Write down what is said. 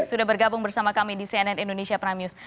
sudah bergabung bersama kami di cnn indonesia prime news